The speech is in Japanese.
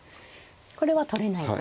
これは取れないと。